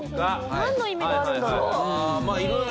なんの意味があるんだろう。